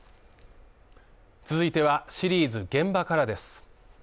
続いては、シリーズ「現場から」です。